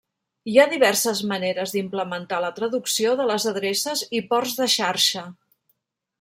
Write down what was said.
Hi ha diverses maneres d'implementar la traducció de les adreces i ports de xarxa.